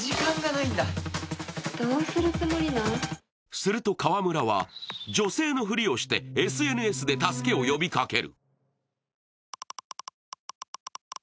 すると川村は女性のふりをしてＳＮＳで助けを呼びかける。